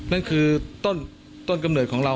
นั่นคือต้นกำเนิดของเรา